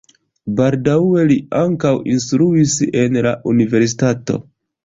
Baldaŭe li ankaŭ instruis en la universitato.